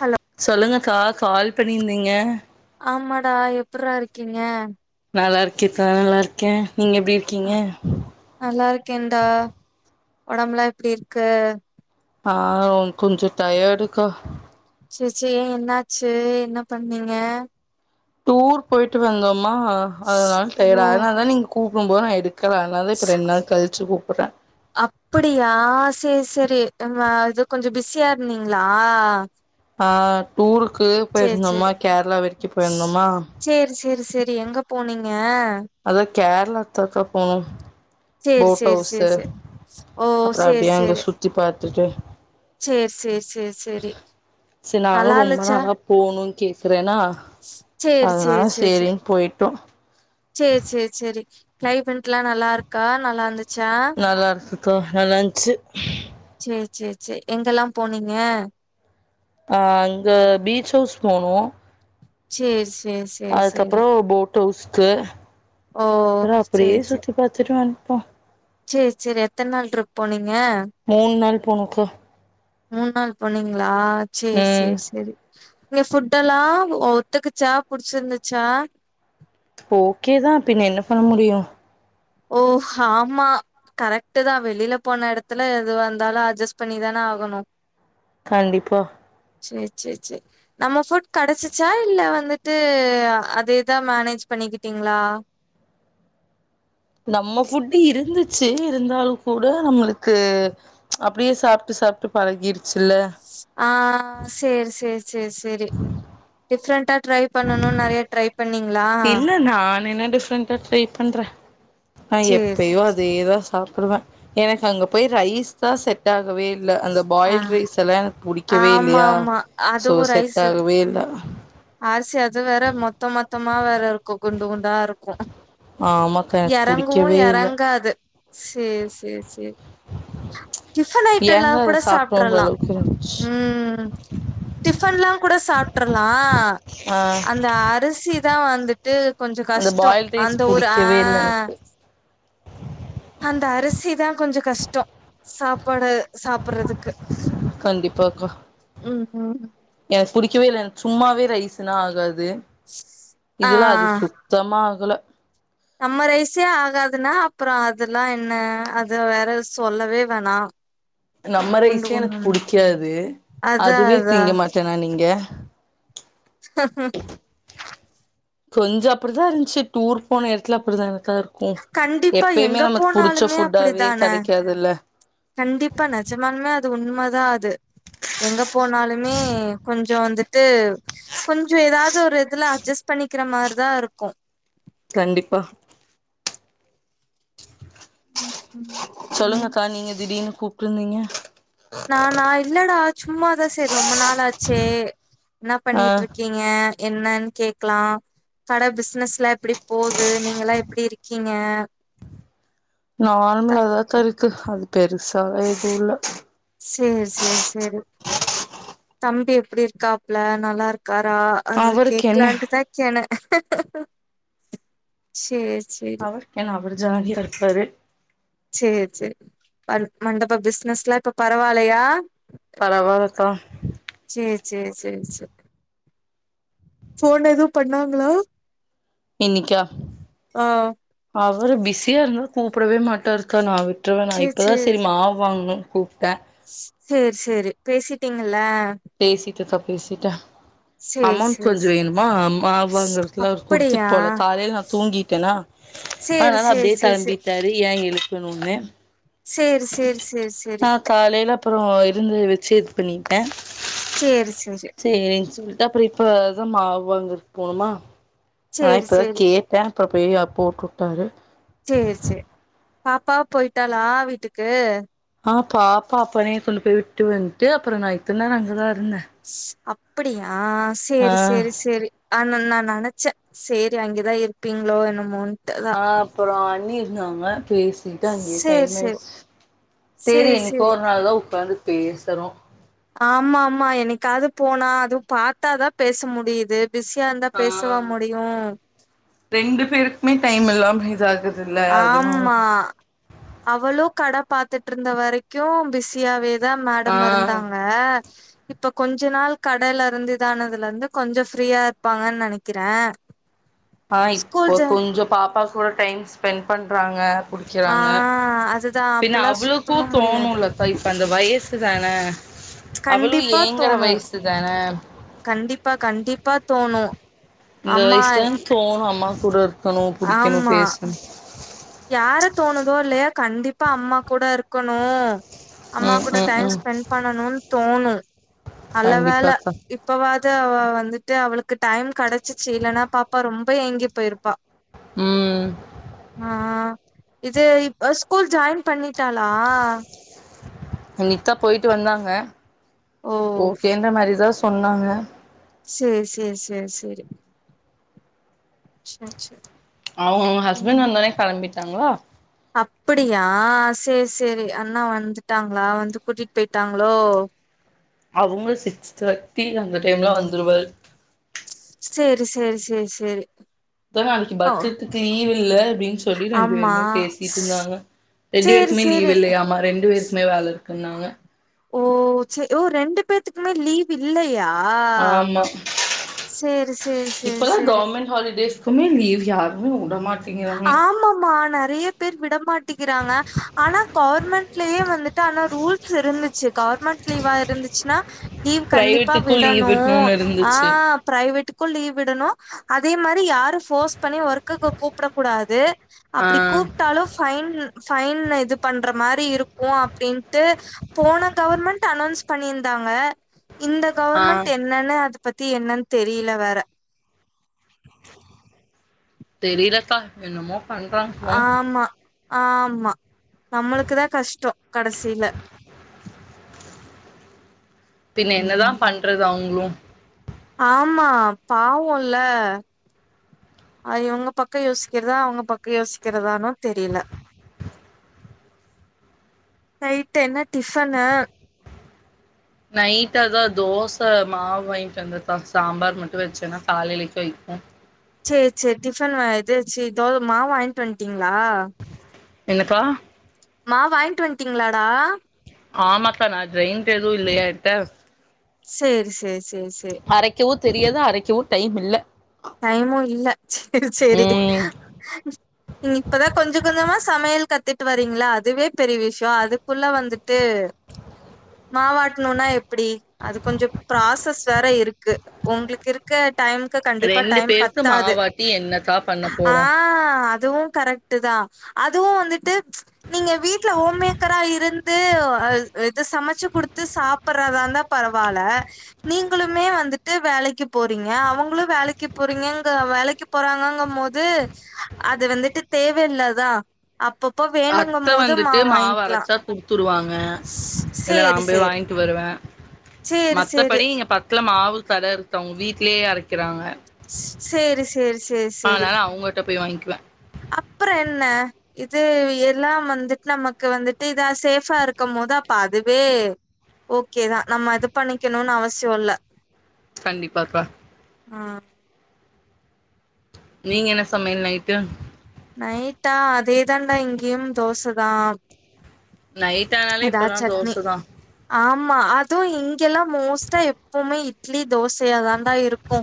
Hello சொல்லுங்கக்கா call பண்ணியிருந்தீங்க ஆமாடா எப்பற்றா இருக்கீங்க நல்லா இருக்கேக்கா நல்லா இருக்கே நீங்க எப்டி இருக்கீங்க நல்லாருக்கேன்டா ஒடம்புல்லா எப்டி இருக்கு? ஆ கொஞ்ச டயடுக்கா செர் செ ஏ என்னாச்சு என்ன பண்ணீங்க? டூர் போயிட்டு வந்தோ மா அதனால் டயர்டு அதுனால்தா நீங்க கூ ப்டும்போ நா எடுக் அப்புடியா சேர் சரி [unintelligible] இது கொஞ்ச பிஸியா இருந்தீங்ளா ஆ டூரு க்கு போயிருந்தோமா சேரி கேரளா வரைக்கு போயிந்தோமா செரி எங்க போனிங்க அதா கேரளாக்குதாக்கா போணொ சேரி போட் சேரி ஹவுஸு சேரி சேரி ஓ அப்ற சேரி அப்டியே அங்க சேரி சுத்தி பாத்துட்டு சேரி சேரி சேரி சேரி செ நானு நல்லா ரொம்ப இருந்துச்சா நாளா போணுன் கேக்குறேனா சேரி அதுனால சேரின் போயிட்டோ சே சே சேரி க்ளைமெட்லா நல்லாருக்கா நல்லாந்து நல்லாருக்கு நல்லான்ச்சு சேர் சே சே எங்கல்லாம் போனீங்க? அ அங்க பீச் ஹவுஸ் போனோ சேர் அதுக்கப்றொ போட் ஹவுஸ்க்கு ஓ அப்பறொ அப்டியே சுத்தி பாத்துட்டு வன்ட் டொ சேர் சேரி எத்தன் நாள் ட்ரிப் போனி மூண் நாள் போணோக்கா மூண் நாள் போனிங்க ளா சேர் சேர் சேரி அங்க ஃபுட்டெல்லா ஒத்துக்குச்சா புடுச்சிருந்துச்சா? ஒக்கேதா பின்ன என்ன பண்ண முடியு ஓ ஆமா கரெக்ட்டுதா வெளில போன எடத்துல எதுவாந்தாலு அட்ஜஸ்ட் பண்ணிதான ஆகணு கண்டிப்பா சே செ செ நம்ம ஃபுட் கடச்சுச்சா இல்ல வந்துட்டு அது எதா மேனேஜ் பண்ணிக்கிட்டீங்ளா? நம்ம ஃபுட்டு இருந்துச்சு இருந்தாலு கூட நம்மளுக்கு அப்டியே சாப்ட்டு சாப்ட்டு பழகிரு ச்சுல்ல ஆ சேர் சேர்‌ செ சேர் செரி டிஃப்ரென்ட்டா ட்ரை பண்ணனுன் நெறைய ட்ரை பண்ணீங்களா இல்ல நான் என்ன டிஃப்ரெண்டா ட்ரை பண்றேன் ஆஹ சேரி எப்பயோ அது எதோ சாப் சொல்லுங்க எனக்கு அங்க போய் ரைஸ் தான் செட் ஆ ங்கவே இல்ல அந்த ஆ பாயில்டு ரைஸ் எல்லாம் எனக்கு புடிக்கவே ஆமா இல்லையா ஆமா சோ செட் ஆகவே இல்ல ஆ சேர் அது வேற மொத்த மொத்தமா வேற இருக்கும் குண்டு குண்டா இருக்கும் ஆஹ ஆமாக்கா எனக்கு புடிக்கவே இல்ல சேர் சேர் சேர் டிபன் ஏங்க ஐட்டம்லாம் அத கூட சாப்டோன்ற சாப்ட்றலாம் அளவுக்கு இருந்துச்சு உம் டிபன்லாம் கூட சாப்ட்றலாம் அஹ ஆ அந்த அரிசி தான் வந்துட்டு கொஞ்சம் அந்த கஷ்டம் பாயில் ரைஸ் அந்த ஊர் புடிக்கவே இல்ல ஆஹ எனக்கு அந்த அரிசிதான் கொஞ்சம் கஷ்டம் சாப்பாடு சாப்டுறதுக்கு கண்டிப்பாக்கா உம் உம் புடிக்கவே இல்ல சும்மாவே ரைஸ்னா ஆகாது ஆ இதுல அது ஆ சுத்தமாகல நம்ம ரைஸே ஆகாதுனா அப்புறம் அதெல்லாம் என்ன அத வேற சொல்லவே வேணாம் நம்ம ரைஸே எனக்கு புடிக்காது அதா அதுவே அதா திங்க மாட்டேன் நான் இங்க ஹஹ கொஞ்சம் அப்டிதான் இருந்துச்சு டூர் போன இடத்துல அப்டிதான் இரு கண்டிப்பா எங்க புடிச்ச போனாலுமே ஃபுட்டாவே அப்டிதானே கெடைக்காதுல்ல கண்டிப்பா நெஜமானாலுமே அது உண்மைதான் அது எங்க போனாலுமே கொஞ்சம் வந்து டு கொஞ்சம் ஏதாவது ஒரு இதுல அட்ஜஸ்ட் பண்ணிக்கிற மாரிதான் இருக்கும் கண்டிப்பா ம் சொல்லுங்கக்கா நீங்க திடீர்னு கூப்டுருந்தீங்க நானா இல்லடா சும்மாதான் சேரி ரொம்ப நாளா ஆச்சே என்ன ஆ பண்ணிட்டு இருக்கீங்க என்னன்னு கேக்கலாம் கடை பிஸ்னஸ் லைப்லா எப்டி போது நீங்க எல்லாம் எப்டி இருக்கீங்க த நார்மலாதாக்கா இருக்கு அது பெருசு அதா எதுல்ல சேரி சேரி சேரி தம்பி எப்டி இருக்காப்ல நல்லா இருக் க்காரா அது அவருக்கு என்ன கேக்கலான்டுகேன செரி அவருக்கென்ன அவர் ஜாலியா சரி சேர் சேர் ப மண்டப பிஸ்னஸ்லா இப்ப பரவாலையா பரவால்லக்கா சேரி சேரி சேரி சேரி போன் ஏதும் பண்ணாங்களா இன்னிக்கா ஆ அவரு பிஸியா இருந்தா கூப்டவே மாட்டாருக்கா நா சுற்றவேணா இப்பதா சரி மாவு வாங்கணு கூப்ட சேர் சேரி பேசிட்டீங்கல்ல பேசிப் இருக்க பேசீட்ட சேரி அமௌண்ட் சேரி கொஞ்ச சேரி வேணுமா அம்ம அவுங்களுக்லா அப்படியா குடுத்துட்டு போல காலையிலே நா தூங்கிட்டேனா சேரி அதனால சேரி அப்டியே சேரி கெளம்பிட்டாரு ஏ எது [inaudible] சேரி சேரி சேரி சேரி ஆ காலையில அப்ற இருந்துத வ செத் பண்ணிட்டே சேரி சேரி அப்ற இப்ப தா மாவு வாங்கரதுக்கு போனோமா ஆ சேரி இப்பதா சேரி கேட்டே அப் ப்பயே அப்போ கூப்டாரு சேரி சேரி பாப்பா போயிட்டாளா வீட்டுக்கு ஆ பாப்பா அப்பனே கொண்டு போய் விட்டு வந்ட்டு அப்ற நா இத்தனேர அங்கதா இரு [unintelligible] அப்டியா ஆ ஆ சேரி சேரி சேரி ஆனா நா நெனைச்சே சேரி அங்கேதான் இருப்பீங்களோ என்னமோன் ஆ அப்புற ணியிருந்தாங்க பேசிட்டு அங்கயே சேரி சேரி டைமாயிருச்சு சேரி என்க்கோ ஒரு நாள் தா உட்காந்து பேச த்தரோம் ஆமா ஆமா என்னைக்காது போனா அது பாத்தாதா பேச முடியுது பிஸியா இருந்தா பேசவா ஆ முடியு ரெண்டு பேருக்மே டைம் இலாமே இதாகுது ஆம்மா அவளு கட பாத்துட்டு இருந்த வரைக்கும் பிஸியாவே தா ஆ மேடம் இருந்தாங்க இப்ப கொஞ்ச நாள் கடல இருந்துதானதுல இருந்து கொஞ்ச ஃப்ரீயா இருப்பாங்கன் நெனைக்கிற ஆ இப்போ கொஞ்சோ பாப்பா கூட டைம் ஸ்பென்ட் பண்றாங்க ஆ குடிக்கிறாங்க அதுதா பின்ன அப்பல்லா அவளுக்கு சுத்தமா முடியாது தோணுல்ல [unintelligible] அந்த வயிசு தான அவளு கண்டிப்பா ஏங்கற தோணு வயிசுதான கண்டிப்பா கண்டிப் இந்த வயிசுதான தோணு அம்மா கூட இருக்கணு புடிக்கணு ஆமா பேசணு [inaudible] யார தோணுதோ இல்லையோ கண்டிப்பா அம்மா கூட இருக்கணு அம்மா ம் கூட ம் டைம் ம் ஸ்பெண்ட் பண்ணணுன் தோணு நல்ல வேல கண்டிப்பாக்கா இப்பவாது அவ வந்துட்டு அவளுக்கு டைம் கடச்சுச்சு இல்லன்னா பாப்பா ரொம்ப ஏங்கி போயிருப்பா ம் ஆ இது இப் ஸ்கூல் ஜாயின் பண்ணி ட்டாளா இன்னிக்த்தா போயிட்டு வந்தாங்க ஓ ஓகேன்ற மாரிதாஸ் சொன்னாங்க சேரி சேரி சேரி சேரி ச்ச ச்ச அவங்க அவங்க ஹஸ்பண்ட் வந்தொனே கெளம்பிட்டாங்களா சேர் சேரி அண்ணா வந்துட்டாங்களா வந்து கூட்டிட்டு போயிட்டாங்களோ அவுங்க சிக்ஸ் தேர்ட்டி அந்த டைம்லா வந்துருவாரு சேரி சேரி சேரி சேரி ஒருத்தவங்க ஓ பக்ரிதுக்கு லீவு இல்ல அப்டினு சொல்லி ரெண்டு ஆமா பேருமே பேசிட்டு இருந்தாங்க ரெண்டு சேரி பேருக்குமே லீவு சேரி இல்லியாமா ரெண்டு பேருக்குமே வேல இருக் க்குன்னாங்க ஓ செர் ஓ ரெண்டு பேத்துக்குமே லீவ் இல்லையா அப்படியா இப்பதா கவர்மெண்ட் ஹாலிடேஸ்குமே லீவ் யார் உ ஆமா மான நெறைய பேர் விடமாட்டிக்கிறாங்க ஆனா கவர்மெண்ட்லேயே வந்துட்டு ஆனா ரூல்ஸ் இருந்துச்சு கவர்மெண்ட் லீவா இருந்துச்சுன்னா லீவ் கண்டிப்பா பிரைவேட்டுக்கு லீவ் விடணும் விடணுன்னு இருந்துச்சு ஆஹ் பிரைவேட் ஸ்கூல் லீவ் விடணும் அதே மாதிரி யாரும் போர்ஸ் பண்ணி ஒர்க்குக்கு கூப் கூப்டக் கூடாது ஆ அப்புடி கூப்ட்டாலும் பைன் பைன் ல இது பண்ற மாதிரி இருக்கும் அப்படின்ட்டு போன கவர்மெண்ட் அனௌன்ஸ் பண்ணியிருந்தாங்க இந்த ஆ கவர்மெண்ட் என்னன்ன அத பத்தி என்னன்னு தெரியல வேற தெரியலப்பா என்னமோ பன்றாங்க ம்ம் ஆமா, ஆமா நம்மளுக்குதா கஷ்டம் கடைசியில பின் என்னதா ம் பண்றது அவுங்க ஆமா ஆமா பாவம்ல்ல இவங்க பக்கம் யோசிக்கிறதா அவங்க பக்கம் யோசிக்கிறதானு தெரியல நைட்டு என்ன டிபன்னு நைட் அதான் தோசை மாவு வாங்கிட்டு வந்துதா சாம்பார் மட்டும் வச்சேனா காலையிலக்கும் இரு செரி செரி டிஃபன் இது ச்சு தோமாவு வாங்கிட் வந்துட்டீங்களா என்னப்பா மாவு வாங்கிட்டு வந்துட்டீங்களாடா ஆமாக்கா நா ஜெயித் எதுவும் இல்லையாட்ட சேரி சேரி சேரி சேரி அரைக்கவும் தெரியது அரைக்கவு டைம் இல்ல டைமு இல்ல சேரி சேரி ம் இப்பதா கொஞ்ச கொஞ்சமா சமையல் கத்துட்டு வரிங்களா அதுவே பெரிய விஷயம் அதுக்குள்ள வந்துட்டு மாவாட்டணுனா எப்டி அது கொஞ்ச ப்ராசஸ் வேற இருக் க் உங்களுக்கு இருக்க டைம்க்கு கண்டிப்பா ட ரெண்டு பேருக் மாவாட்டி என்னக்கா பண்ண ஆ போறோம் அதுவும் கரெக்ட் தான் அதுவும் வந்துட்டு நீங்க வீட்டுல ஹோமேக்கரா இருந்து இத சமைச்சு குடுத்து சாப்படுறதாந்தான் பரவாயில்ல நீங்களுமே வந்துட்டு வேலைக்கு போறீங்க அவங்களும் வேலை போறீங்கங்க வேலைக்கு போறாங்கங்கும் போது அது வந்துட்டு தேவையில்லாதான் அத்த வந்துட்டு மாவு அரைச்சா குடுத்துட்டுருவாங்க இல்லநா சேரி போய் சேரி வாங்கிட்டு வருவேன் சேரி சேரி மத்தபடி இங்க பக்த்ல மாவு சரி தஇருக்கு அவுங்க வீட்லேயே அரைக்கிறாங்க சேரி சேரி சேர் சேரி ப்ல அப்புறம் என்ன இது எல்லாம் வந்துட்டு நமக்கு வந்துட்டு இதான் சேஃபா இருக்கும் போது அப்ப அதுவே ஓகேதான் நம்ம இது பண்ணிக்கணுன்னு அவசிய இல்ல கண்டிப்பாப்பா அ நீங்க என்ன சமையல் நைட்டு நைட்டா அதே தாண்டா இங்கியும் தோசதான் நைட் ஆனாலே இப்பதா தோசதான் ஆமா அதுவு இங்கெல்லா மோஸ்ட்டா எப்பவுமே இட்லி தோசையா தாண்டா இருக்கு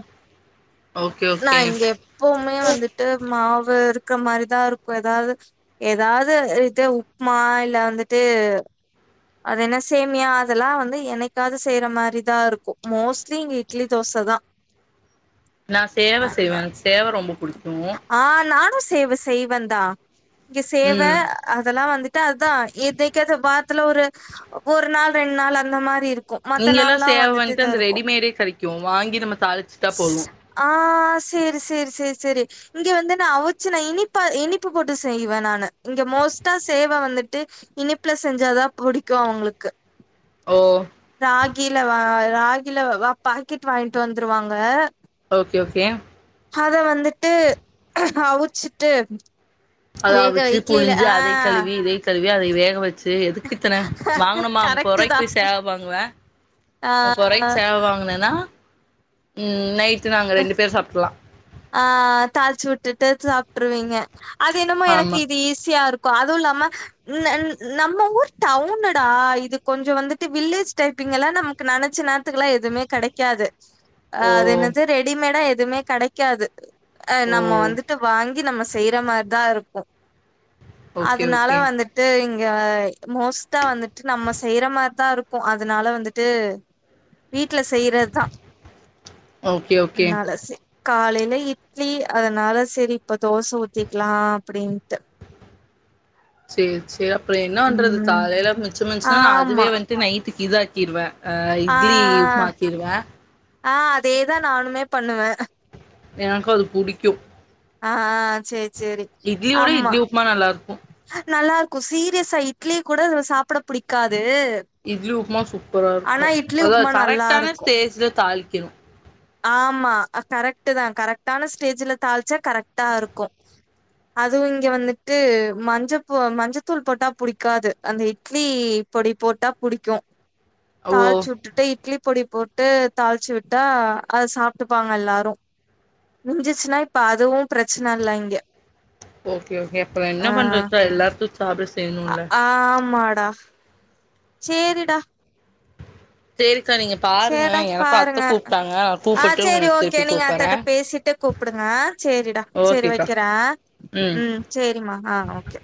ஓகே ஓகே நான் இங்க எப்பவுமே வந்துட்டு மாவ் வு இருக்கிற மாதிரிதான் இருக்கு ஏதாவது ஏதாவது இது உப்புமா இல்ல வந்துட்டு அது என்ன சேமியா அதெல்லா வந்து என்ணைக்காவது செய்யற மாதிரிதா இருக்கு மோஸ்ட்லி இங்க இட்லி தோசை தா நான் சேவ செய்வே எனக்கு சேவ ரொம்ப புடிக்கூம் நானும் சேவ செய்வந்தா இங்க சேவ ம் அதெல்லா வந்து தா தா எதக்கது வாரத்துல ஒரு ஒரு நாள் ரெண்டு நாள் அந்த மாரி இருக் நீங்க எல்லா சேவ வாங்கிட்ட அந்த ரெடிமேடே கெடைக் கும் வாங்கி நம ஸ்ஸ் ஆத் சேரி சேரி சேரி சேரி இங்க வந்து நான் அவுச்சு நான் இனிப்பா இனிப்பு போட்டு செய்வே நானு இங்க மோஸ்ட்டா சேவ வந்துட்டு இனிப்புல செஞ்சாதா புடிக்கு அவுங்குளுக்கு ஓ ராகில வா ராகில வ பாக்கெட் வாங்கிட்டு வந்துருவாங்க ஓகே ஓகே அத வந்துட்டு அவிச்சுட்டு அத அவிச்சு புழிஞ்சு அதை கழுவி இதை கழுவ் யே அதை வேக வச் சு எதுக்கு இத்தன வாங்கனமா கரெக்ட்டு தா முப்பொரூபாய்க்கு போய் சேவ வாங்குவே ஆ முப்பொருவாய்க்கி சேவ வாங்கினனா ம்ம் நைட் ட் நாங்க ரெண்டு பேர் சாப்ட்லா ஆ தாழ்ச்சிவுட்டுட்டு சாப்ட்ருவீங்க அது என்னமோ எனக்கு ஆமா இது ஈஸியா இருக் அதுவு இல்லாம இன்நன் நம்ம ஊர் டவுனுடா இது கொஞ்ச வந்துட்டு வில்லேஜ் டைப்பிங்கல்லாம் நமக்கு நினைச்ச நே த்துக்குலா எதும்மே கெடைக்காது ஓ அதென்னது ரெடிமேடா எ தும்மே கடை க்காது அ ஓ நம்ம வந்துட்டு வாங் கி நம்ம செய்ற மார்தா இருக்கு ஓகே அதுனால ஓகே வந்துட்டு இங் க மோஸ்ட்டா வந்துட்டு நம்ம செய்யிற மார்தா இருக்கு அதுனால வந்துட்டு வீட்ல செய்யிறதுதா ஓகே ஓகே அன்னால செ காலைல இட்லி அதனால செரி இப்ப தோச ஊத்திக்லா அப்பிடின்ட்டு சேர் சே அப்பறொ என்ன வண்றது தாலைல மிச்சமின்ச்சுனாலு ஆமா அதுவே வன்ட்டு நை ட்டுக்கு இதாக்கிருவ அ இட்லி உப்மா ஆக்கிருவே அ அதேதா நானுமே பண்ணுவெ எனக்கு அது புடிக்கு ஆ ஆ சே இட்லி விட இட்லி உப்மா நல்லாருக்கு நல்லாருக்கு சீரியஸா இட்லி கூட சாப்புட புடிக்கா இட்லி உப்மா சூப்பரா இருக்கு ஆனா இட்லி அதா உப்மா நல்லா கரெக்டான இருக்கு ஸ்டேஜ்ல தாளி க்கிணு ஆமா கரெக்ட்டுதா கரெக்டான ஸ்டேஜுல தாள்ச்சா கரெக்டா இருக்கு அதுவு இங்க வந்துட்டு மஞ்சப்பொ மஞ்சத்தூள் போட்டா புடிக்காது அந்த இட்லி பொடி போட்டா புடிக்கு ஓ தாள்ச்சு வுட்டுட்டு இட்லி பொடி போட்டு தாள்ச்சு விட்டா அத சாப்ட்டுப்பாங்க எல்லாரு மிஞ்சுச்சுன்னா இப்ப அதுவு பிரச்சன இல்ல இங்க ஓகே ஓகே அப்ற என்ன பண்றதா எல்லார்க்கு ஆமா டா சேரிடா சேரி சேடா பாருங்க நா ஆ கூப்பிட்டு சேரி உங்களுக்கு ஓகே திருப்பி நீங்க கூப்பறே அத்தட்ட பேசிட்டு கூப்புடுங்க சேரிடா சேரி ஓகேக்கா வக்கிறே ம் சேரிம்மா ஆ ஓகே